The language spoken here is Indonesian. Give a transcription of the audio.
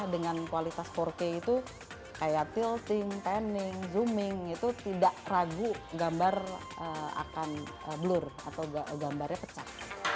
dengan kualitas empat k itu kayak tilting panning zooming itu tidak ragu gambar akan blur atau gambarnya pecah